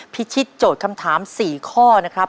พิชิตโจทย์คำถาม๔ข้อนะครับ